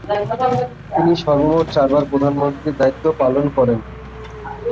তিনি সর্বমোট চারবার প্রধানমন্ত্রীর দায়িত্ব পালন করেন।